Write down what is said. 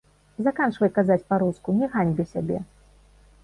Заканчвай казаць па-руску, не ганьбі сябе!